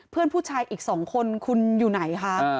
เพื่อนผู้ชายอีก๒คนคุณอยู่ไหนคะ